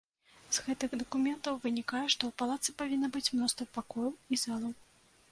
З гэтых дакументаў вынікае, што ў палацы павінна быць мноства пакояў і залаў.